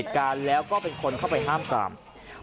ก็แค่มีเรื่องเดียวให้มันพอแค่นี้เถอะ